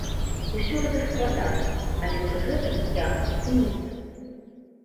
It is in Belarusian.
Усё гэта складана, але пры гэтым я аптыміст.